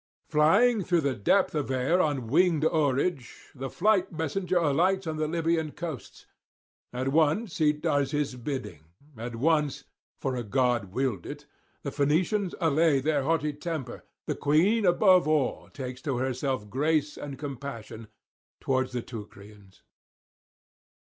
Flying through the depth of air on winged oarage, the fleet messenger alights on the Libyan coasts. At once he does his bidding; at once, for a god willed it, the Phoenicians allay their haughty temper; the queen above all takes to herself grace and compassion towards the Teucrians.